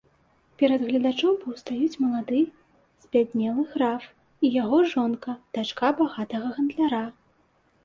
Перад гледачом паўстаюць малады збяднелы граф і яго жонка, дачка багатага гандляра.